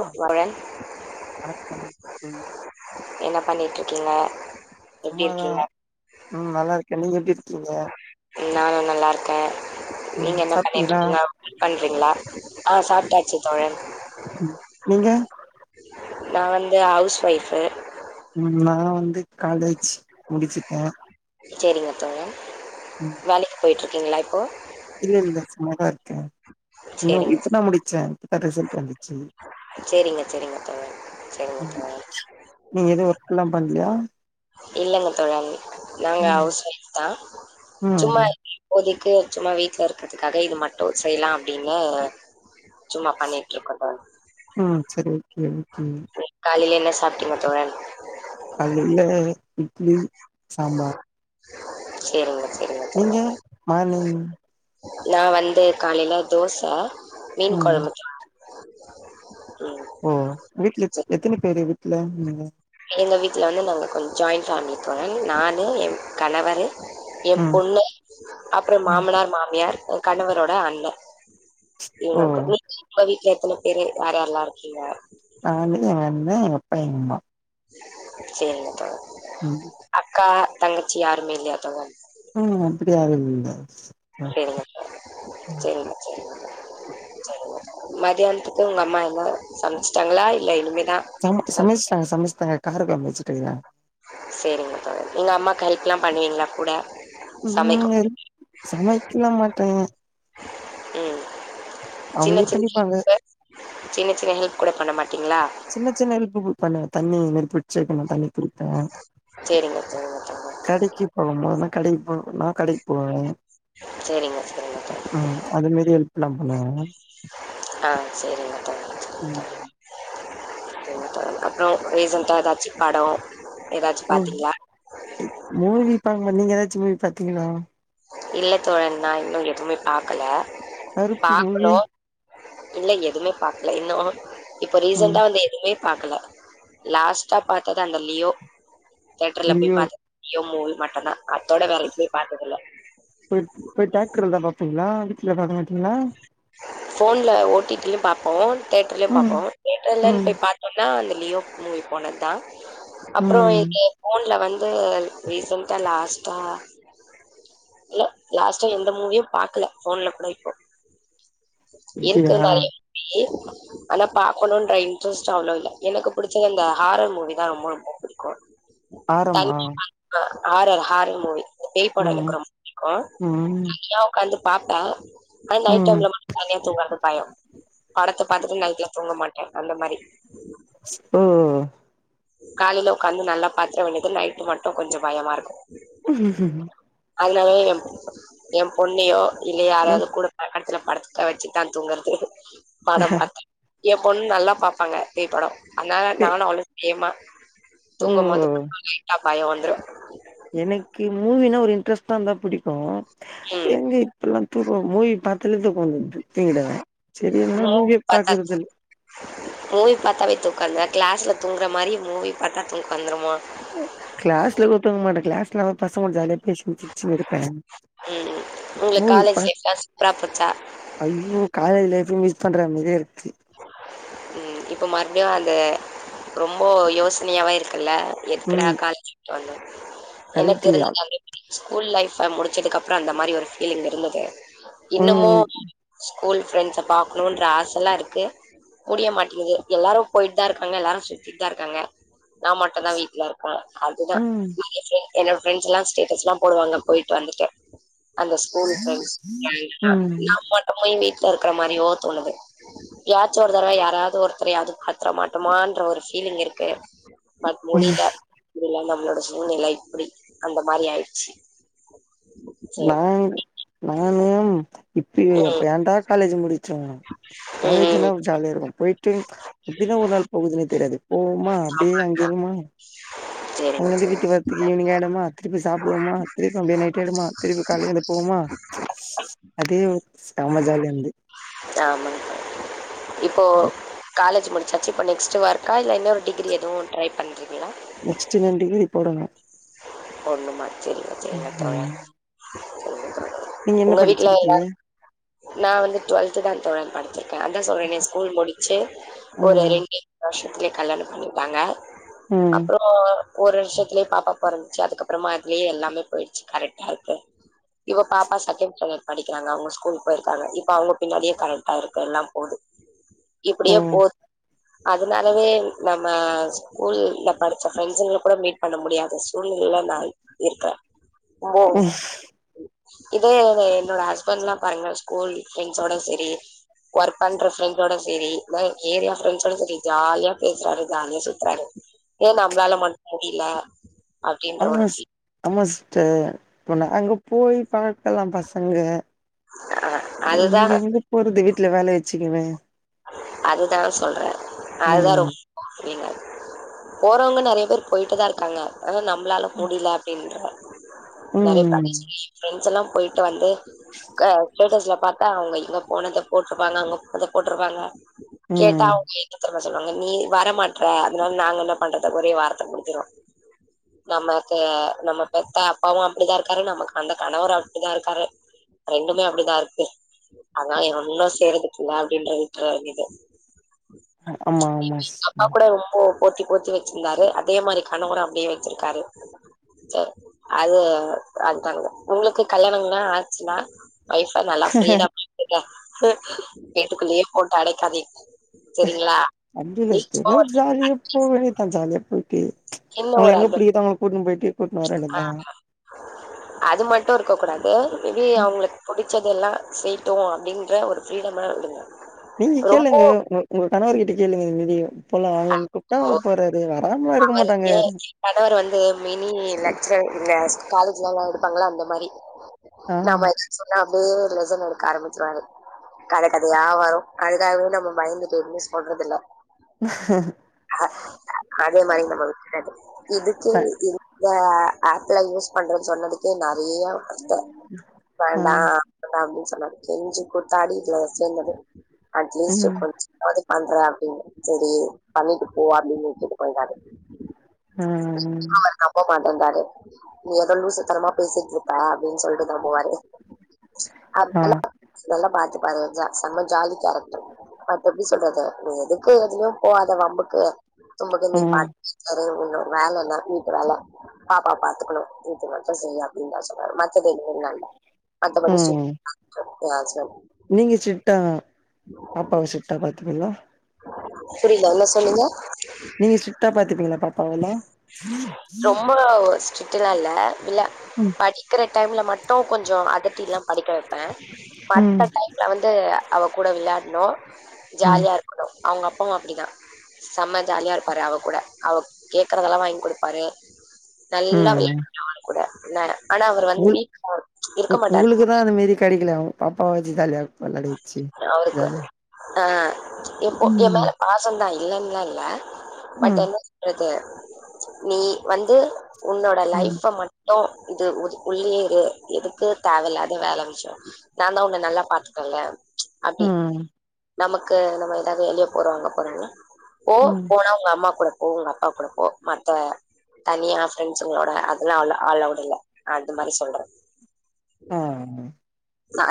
ஆ வருண் வணக்கம் தோழி என்ன பண்ணிட்றிக்கிங்க சும்மாதா ம் நல்லா இருக்க நீங்க எப்டி இருக்கீங்க நானு நல்லாருக்க ம் நீங்க என்ன சாப்ட்டீங்களா பண்ணீட்ருக்கீங்க [inaudible] பண்றீங்ளா ஆ சாப்ட்டாச்சு தோழன் நீங்க நா வந்து ஹவுஸ் ஒய்ஃபு ம் நா வந்து காலேஜ் முடுச்சுட்ட சேரிங்க தோழன் ம் வேலைக்கு போய்ட்ருக்கீங்ளா இப்போ இல்ல இல்ல சும்மாதா இருக்க இன்னு சேரிங்க இப்பதா முடிச்ச இப்பதா ரிசல்ட் வந்து சேரிங்க சேரிங்க தோழன் சேரிங்க ம் தோழன் நீங்க எது ஒர்க்கெல்லா பண்லியா இல்லங்கத்தோழன் நாங்க ம் ஹவுஸ் ஒய்ஃப்தா சும்மா ம் இப்போதிக்கு சும்மா வீட்ல இருக்கறதுக்காக இது மட்டு செய்லா அப்டின்னு சும்மா பண்ணீட்டு இருக்கோ தோழன் ம் சரி ஓகே ஓகே காலைல என்ன சாப்ட்டீங்க தோழன் காலீல இட்லி சாம்பார் சேரிங்க சேரிங்க நீங்க தோழன் மார்னிங் நா வந்து காலைல தோச மீன் ம் கொழம்பு ம் ஓ வீட்ல எத் சரி எத்தினி பேரு வீட்ல நீங்க எங்க வீட்ல வந்து நாங்க கொஞ் ஜாயிண்ட் ஃபேமிலி தோழன் நானு என் கணவரு எ ம் பொண்ணு அப்பறோ மாமனார் மாமியார் கணவரோட அண்ண இவுங்க ஓ இருக்கோ [inaudible] உங்க வீட்ல எத்தன பேரு யார் யாரெல்லா இருக்கீங்க நானு எங்கண்ண எங்கப்பா எங்கம்மா சேரிங்க தோழன் ம் அக்கா தங்கச்சி யாருமே இல்லையா தோழன் ம் அப்பிடி யாரு இல்லைங்க சேரிங்க தோழன் சேரிங்க சேரிங்க சேரிங்க தோ மதியானத்துக்கு உங்க அம்மா இன்னு சமச்சிட்டாங்ளா இல்ல இனிமேதா சம ச சமச்ட்டாங்க சமச்ட்டாங்க கார கொழம்பு வச்சுட்டுருக்றாங்க சேரிங்க தோழன் நீங்க அம்மாக்கு ஹெல்ப்ல்லா பண்ணுவீங்ளா கூட ம் சமைக்கு வெறும் சமைக்கலா மாட்டே ம் சின்ன அவங்களே சின்ன பண்ணிப்பாங்க இப்ப சின்ன சின்ன ஹெல்ப் கூட பண்ண மாட்டீங்களா சின்ன சின்ன ஹெல்ப்பு பு பண்ணுவே தண்ணி இதுமாரி பிடிச்சு வைக்கணு தண்ணி புடிப்பே சரிங்க [unintelligible] [unintelligible] சரிங்க சரிங்க தோழா ம் அது மாரி ஒரு ப்ளான் பண்ணுவே அ செரிங்க ம் [unintelligible] [unintelligible] அப்பறம் ரீசன்டா ஏதாச்சு படம் ஏதாச்சு ம் பாத்தீங்களா மூவி பாக்க மாட் நீங்க ஏதாச்சு மூவி பாத்தீங்களா இல்ல தோழன் நா இன்னு எதுவுமே பாக்கல கருப்பு மூவி பாக்கணு இல்ல எதுவுமே பாக்கல இன்னு இப்ப ம் ரீசன்டா வந்த எ ஒன்னுமே பாக்கல லாஸ்ட்டா பாத்தது அந்த லியோ தேட்டர்ல போய் ஐயோ பாத்த லியோ மூவி மட்டுதா அத்தோட வேர எதுமே பாத்தது இல்ல போய்ட் போய் டேக்ட்ரல தா பாப்பிங்களா வீட்ல பாக்கமாட்டிங்களா போன்ல ஓடிடி லயும் பாப்போம் தேட்டர்லயும் ம் பாப்போம் தேட்டர்லனு ம் போய் பாத் ஒன்னா அந்த லியோக் மூவி போனது தா அப்றோ ம் இங்கே போன்ல வந்து ரீசன்டா லாஸ்ட்டா இல்ல லாஸ்டா எந்த மூவியு பாக்கல போன்ல கூட இப்போ [unintelligible] அப்டியா ஆனா பாக்கணும்ன்ற இன்ரெஸ்ட் அவ்ளோ இல்ல எனக்கு புடிச்சது இந்த ஹாரர் மூவிதா ரொம்ப ரொம்ப பிடிக்கு ஆரமா [unintelligible] ஹாரர் ஹாரர் மூவி பேய்படம் ம் எனக்கு ரொம்ப பிடிக்கு ம் தனியா ஒக்காந்து பாப்பேன் ஆன நைட் ம் தனிய தூங்கறது பயோ படத்த பாத்துட்டு நைட்ல தூங்க மாட்டே அந்த மாரி ம் ம் ம் காலையில ஒக்காந்து நல்லா பாத்திர வேண்டியது நைட்டு மட்டும் கொஞ்சோ பயமா இருக்கு [inaudible] அதுனாலயே எ என் பொண்ணையோ இல்ல யாராவது கூடப் கடேசில படத்த வச்சுதா தூங்குறது படம் பாத்தே ஏ பொண்ணு நல்லா பாப்பாங்க பேய்ப்படொ அதனால பே நானு அவலு சேமா ஓ தூங்குபோதும் [unintelligible] லைட்டா பயம் வந்துரு எனைக்கி மூவீனா ஒரு இன்ட்ரெஸ்ட்ட இருந்தா பிடிக்கு ம் [unintelligible] இப்பெல்லா தூக்கம் மூவி பாத்தாலே தூக்கம் வந்துடுது தூங்கிடுவே சரி அதனால மூவி மூவியே பாத்தா பாக்றதுல மூவி பாத்தாவே தூக்கவர்தா கிளாஸ்ல தூங்குற மாரி மூவி பாத்தா தூக்கவந்துருமா கிளாஸ்ல கூட தூங்க மாட்ட கிளாஸ்ல நம்ம பசங்க கூட ஜாலியா ம் உங்களுக்கு காலேஜ் லைஃப்லா [unintelligible] சூப்பரா போச்சா ஐயோ காலேஜ் லைஃப்பையு மிஸ் பண்ற மாரியே இருக்கு ம் இப்ப மறுபடியு அந்த ரொம்ப யோசனையாவே இருக்குல்ல எதுக்டா ம் காலேஜ் விட்டு வந்தோ எனக்கு கரெக்ட்டு யா இருந்த அப்டியே ஸ்கூல் லைஃப்ப முடிச்சதுக்கு அப்பறம் அந்த மாரி ஒரு ஃபீலிங் இருந்தது ம் இன்னமும் ஸ்கூல் ஃப்ரண்ட்ஸ பாக்கணும்ன்ற ஆசல்லா இருக்கு கே முடிய மாட்டேங்குது எல்லாரு போயிட்டு தா இருக்காங்க எல்லாரு சுத்திட்டு தா இருக்காங்க நா மட்டுதா வீட்ல இருப்ப அது தா ம் [unintelligible] என்னோட ஃபிரண்ட்ஸ்ல்லா ஸ்டேட்டஸ்ல்லா போடுவாங்க போயிட்டு வந்துட்டு அந்த ஸ் ஸ்கூல் ஃபிரண்ட்ஸ் [unintelligible] நம் மட்டுமுமே வீட்ல இருக்க மாரியோ தோணுது எப்யாச்சு ஒரு தடவ யாராவது ஒருத்தரையாவுது பாத்துர மாட்டோமான்ற ஒரு ஃபீலிங் இருக்கு பட் ம் முடில இப்டிலா நம்ளோட சூழ்நில இப்டி அந்த மாரி ஆயிருச்சு நான் நான்னு இப்ப எப்ப ம் ஏன்டா காலேஜ் முடி ச்சோ ம் காலேஜ்னா ஜாலியா இருக்கு போயிட்டு எப்டிதா ஒரு நாள் போகுதுன்னே தெரியாது போவுமா அப்டே அங்கே இருமா சேரிங்க அங்கந்து சேரிங்க வீட்டு வர்த்துக்கு ஈவ்னிங் ஆய்டுமா திருப்பி சாப்டுவோமா திருப்பி அப்டே நைட் ஆய்டுமா திருப்பி கால்ல எலுந்து போவ்மா அதே ஒரு சம ஜாலியாயிந்து ஆமாங்க இப்போ காலேஜ் முடி ச்சாச்சி இப்ப நெக்ஸ்ட்டு ஒர்க்கா இல்ல இன்னொரு டிகிரி எது ட்ரை பண்றீங்ளா நெக்ஸ்ட்டு இன்னொன் டிகிரி போடனு போட்ணுமா சேரிங்க சேரிங்க தோழா ம் நீங்க என்ன உங்க வீட்ல படிச்சிருக்கீங்க எல்லாரு நா வந்து டுவெல்த்து தா தோழா படு ச்சுருக்க அதா சொல்றனே ஸ்கூல் முடிச்சு ஒரு ம் ரெண்டு [inaudible] வருஷத்துலயே கல்யாணம் பண்ணிட்டாங்க ம் அப்பறோ ஒரு வருஷத்துலயே பாப்பா பொறந் ச்சு அதுக்கப்புறமா அதுலயே எல்லாமே போய்ருச்சு கரெக்டா இருக்கு இப்ப பாப்பா செகண்ட் ஸ்டாண்டர்ட் படிக்கறாங்க அவுங்க ஸ்கூல் போயிருக்காங்க இப்ப அவுங்க பின்னாடியே [unintelligible] போது ஓ இப்டியே போ அதனாலவே நம்ம ஸ்கூல் நா படிச்ச ஃப்ரெண்ட்ஸுங்கள கூட மீட் பண்ண முடியாது சூழ்நிலைல நாய் இருக்க ரொம்போ இதே என்னோட ஹஸ்பண்ட்ல்லா பாருங்கல ஸ்கூல் ஃப்ரெண்ட்ஸோட செரி ஒர்க் பண்ற ஃப்ரெண்ட்டோட சேரி ஏரியா ஃப்ரெண்ட்ஸ்சோட சேரி ஜாலியா பேசுறாரு ஜாலியா சுத்தறாரு ஏ நம்பளால மட் முடிலா அம்மாஸ் அம்மாஸ் ஸ்ட்ர போன அங்க போய் பழகல்லா பசங்க ஆ அதுதா இங்க எங்க போறது வீட்ல வேல வச்சுக்குனு அதுதா சொல்ற நா அதுதா ம் ரொம் [unintelligible] போறவுங்க நெறைய பேரு போயிட்டுதா இருக்காங்க ஆனா நம்பளால முடில அப்டின்ற நெறைய ம் பேருட்ட சொல்லியு எ ஃப்ரெண்ட்ஸெல்லா போய்ட்டு வந்து கா ஸ்டேட்டஸ்ல பாத்தா அவுங்க இங்க போனத போட்ருப்பாங்க அங்க போனத போட்ருப்பாங்க கேட்டா ம் அவுங்க எது [inaudible] என்ன சொல்வாங்க நீ வர மாட்ற அதனால நாங்க என்ன பண்றத ஒரே வார்த்த முடிஞ்சிடு நம்மக்கு நம்ம பெத்த அப்பாவு அப்டிதா இருக்காரு நமக்கு வந்த கணவரு அப்டிதா இருக்காரு ரெண்டுமே அப்டிதா இருக்கு அதனால ஒன்னு செய்றதுக்கு இல்ல அப்டின்ற உட்றவேண்டிதா ஆமா ஆமா அப்பா சிஸ்டர் கூட ரொமாபோ போர்த்தி போர்த்தி வச்சிந்தாரு அதே மாரி கணவரு அப்டே வச்சிருக்காரு சா அது அதுதாங்க உங்களுக்கு கல்யாணம்லா ஆச்சுங்லா ஒய்ஃப நல்லா ஃப்ரீடமா இருக்க விடுங்க வீட்டுக்குள்ளயே போட்டு அடைக்காதி அஞ்சு வெஸ்ட்டு தா ஜாலியா போவேடிண்தா ஜாலியா போய்ட்டு என்ன அவுங்ளுக் ஒரு எங்க அட்வைஸ் பிடிக்குதோ அவுங்கள கூட்டின் போயிட்டு கூட்னு வர வேண்டி தா அது மட்டு இருக்க கூடாது மேபி ம் அவுங்ளுக்கு புடிச்சதெல்லா செய் ட்டு அப்டின்ற ஒரு ஃப்ரீடமா விடுங்க நீங்க ரொம்ப கேளுங்க உங் உங்க கணவருட்ட கேளுங்க இந்த மாரி போலா வாங்கன் கூப்ட்டா வர போறாரு வர் அவரு யே கிளீன் கணவர் வந்து மினி லெக்ச்சர் இந்த காலேஜ்லல்லா எடுப்பாங்களா அந்த மாரி ஆ நம்ம எத சொன்னா அப்டியே லெசன் எடுக்க ஆரம்பிச்சிருவாரு கத கதையா வரு அதுக்காகவே நம்ம பயந்துட்டு எதுமே சொல்றதுல்ல அதே மாரி நம்ம அ இதுக்கே அ இந்த ஆப்ல யூஸ் பண்றன் சொன்னதுக் கு நெறைய கஷ்ட்டோ ஆ வேண்டா டா அப்டின் சொன்னாரு கெஞ்சு கூத்தாடி இதுல சேந்தது அட்லீஸ்ட்டு ம் கொஞ் எதாவது பண்றே அப்டின்னு சரி பண்ணிட்டு போ அப்டின்னுட்டு போயிட்டாரு ம் நம்பமாட்டேன்டாரு நீ எதோ லூசுத்தனமா பேசிட்ருப்ப அப்டின் சொல்ட்டு தா போவாரு ஆ நல்ல நல்லா பாத்து பண்ஜா செம்ம ஜாலி கேரக்டர் மத்த எப்டி சொல்றது எதுக்கு எதுலயு போகாத வம்புக்கு [unintelligible] நீ ம் பாத் வீட்ல இரு உன்னோட வேல என்ன வீட்டு வேல பாப்பா பாத்துக்கணு இத்து [unintelligible] செய்யு அப்படின் தா சொன்னாரு மத்த [unintelligible] வேண்டா மத்தபடி [inaudible] [inaudible] ம் எ ஹஸ்பண்ட் நீங்க சிட்டா பாப்பாவ சிட்டா பாத்துப்பீங்களா புரில்ல என்ன சொல்லுங்க நீங்க ஸ்ட்ரியிட்டா பாத்துப்பீங்களா பாப்பாவ எல்லா ரொம்போ ஸ்ட்ரிட்டுல்லா இல்ல இல்ல ம் படிக்கிற டைம்ல மட்டு கொஞ்சம் அதட்டி எல்லா படிக்க வெப்பே ம் மத்த டைம்ல வந்து அவ கூட விளையாட்னோ ம் ஜாலியா இருக் கனு அவ்ங்க அப்பாவு அப்டிதா செம்ம ஜாலியா இருப்பாரு அவ கூட அவ கேக்குறதெல்லா வாங்கி குடுப்பாரு நல்லா ம் விளையா அவ கூட என்ன ஆனா அவர் வந்து வீட்டுல இருக்க மாட்டாரு மீதி கடைக்கல பாப்பாவ வச்சி ஜாலியா இருப்போ எல்லாரு இச்சி அவருக்கு ஜாலியா ஆ எப்போ எ ம் மேல பாசந்தா இல்லன்லா இல்ல பட் ம் என்ன பண்றது நீ வந்து உன்னோட ம் லைஃப மட் டு இது ஒதிக் உள்ளயே இரு எதுக்கு தேவலாத வேல விஷ்யோ நா தா உன்ன நல்லா பாத்து கர்லே அப்டி ம் நமக்கு நம்ம எதாவது வெலிய போறவங்க போரோம்னா போ ம் போனா உங்க அம்மா கூட போ உங்க அப்பா கூட போ மத்த தனியா ஃப்ரெண்ட்ஸுங்களோட அதெல்லா அல அல்லோவ்டு இல்ல அது மாரி சொல்றே ம்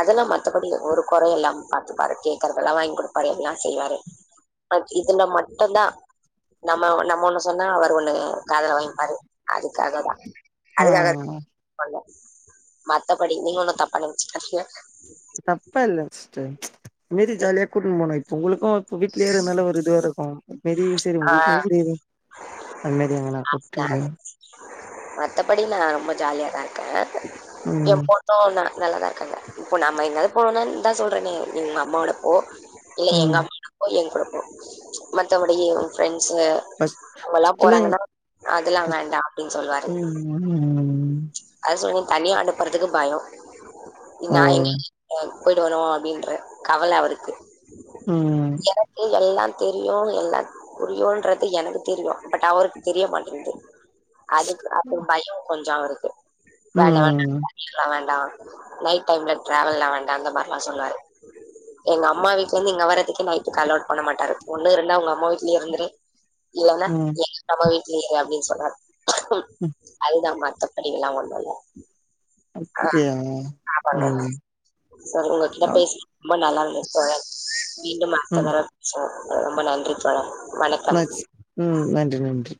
அதெல்லா மத்தபடி ஒரு கொறை இல்லாம் பாத்துப்பாரு கேக்கறதெல்லா வாங் கொடுப்பாரு எல்லா செய்வாரு பட் இதுன்னா மட்டுந்தா நம்ம நம்ம ஒண்ணு சொன்னா அவர் ஒண்ணு காதல வாங்கிப்பாரு அதுக்காகதா ஆ அதுக்காக பண்ல மத்தபடி நீங்க ஒண்ணு தப்ப நெ [unintelligible] தப்பா இல்லங் சிஸ்டர் மீறி ஜாலியா கூட்ன்னு போனு இப்ப உங்களுக்கு இப்ப வீட்லேயே இருக்கனால ஒரு இதுவா இருக்கு பெரிய ஆஃபீஸ்ர் ஆ உங்களுக் எதுக்கு லீவு அன்னைக்கு தாங்க போட்டு இல்லையா மத்தபடி நா ரொம்ப ஜாலியாதா இருக்கே எ ம் பொண் ணு ந நல்லாதா இருக்காங்க இப்போ நம்ம எங்காது போனோன் தா சொல்றேன்னே நீ உங்க அம்மாவோட போ இல்ல ம் எங்க அம்மா [inaudible] எங் கூடப்போ மத்தவடைய உ ஃப்ரெண்ட்ஸ்சு ஃபர்ஸ்ட் அவல்லா ஃபர்ஸ்ட்லா போறாங்கன்னா அதெல்லா ஃபர்ஸ்ட் வேண்டா அப்டின் சொல்வாரு ம் ம் அத சொல்னிங் தனியா அனுப்புறதுக்கு பயம் ஓ நா எங்கேகி அ போயி்ட்டு வரு அப்டின்ற கவல அவருக்கு ம் எனக்கு எல்லா தெரியு எல்லா புரியுன்றது எனக்கு தெரியு பட் அவருக்கு தெரிய மாட்டேங்கிது அதுக்கு அப்போ பயோ கொஞ்சோ வேண்டா ம் [inaudible] வேண்டா நைட் டைம்ல டிராவல்லா வேண்டா அந்த மாரில்லா சொல்வாரு எங்க அம்மா வீட்லருந்து இங்க வறத்துக்கே நைட்டுக்கு அலோட் பண்ண மாட்டாரு ஒண்ணு இருந்த உங்க அம்மா வீட்லயே இருந்துரு இல்லனா ம் ஏ நம்ம வீடல இரு அப்டின்னு சொன்னார் ம் அதுதா மத்தபடி எல்லா ஒண் ஆ அப்டியா ந பண்ணிரு [inaudible] ம் சரி உங்ககிட்ட பேசி ரொம்ப நல்லா இருந்தது தோழர் மீண்டு ம் அடுத்ததடவ பேசுவோ ரொம்ப நன்றி தோழர் வணக்கம் என்னாச்சு ம் நன்றி நன்றி